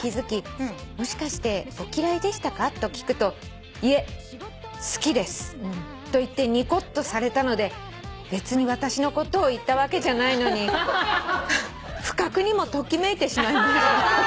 もしかしてお嫌いでしたか？と聞くと『いえ好きです』と言ってニコッとされたので別に私のことを言ったわけじゃないのに不覚にもときめいてしまいました」